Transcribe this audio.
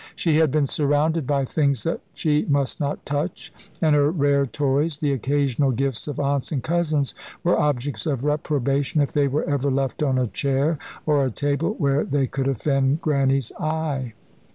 She had been surrounded by things that she must not touch; and her rare toys, the occasional gifts of aunts and cousins, were objects of reprobation if they were ever left on a chair or a table where they could offend Grannie's eye.